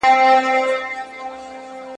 یا سېلابونه یا زلزلې دي `